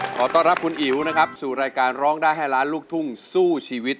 ขอบคุณอิ๋วนะครับสู่รายการร้องด้าแให้ร้านลูกถุงสู้ชีวิต